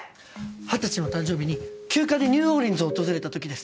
二十歳の誕生日に休暇でニューオーリンズを訪れた時です。